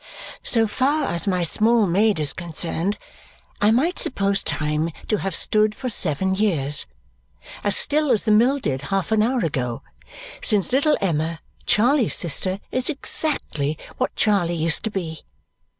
So far as my small maid is concerned, I might suppose time to have stood for seven years as still as the mill did half an hour ago, since little Emma, Charley's sister, is exactly what Charley used to be.